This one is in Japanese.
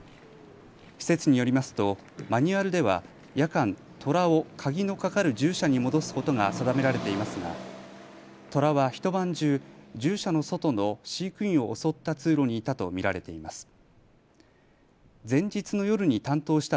施設によりますとマニュアルでは夜間、トラを鍵のかかる獣舎に戻すことが定められていますがトラは一晩中、獣舎の外の飼育員を襲った通路にいたと見られています。